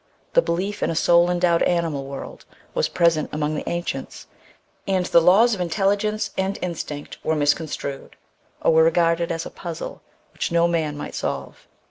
The belief in a soul endowed animal world was present among the ancients, and the laws of intelligence and instinct were misconstrued, or were regarded as a puzzle, which no man might solve.